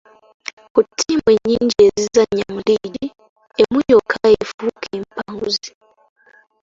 Ku ttiimu ennyingi ezizannya mu liigi, emu yokka y'efuuka empanguzi.